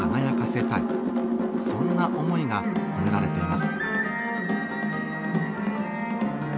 そんな思いが込められています。